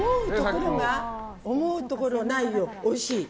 思うところないよ、おいしい！